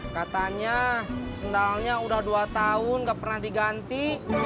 katanya sendalnya udah dua tahun gak pernah diganti